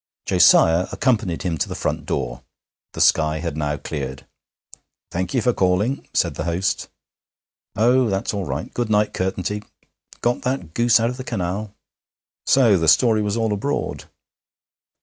Josiah accompanied him to the front door. The sky had now cleared. 'Thank ye for calling,' said the host. 'Oh, that's all right. Good night, Curtenty. Got that goose out of the canal?' So the story was all abroad!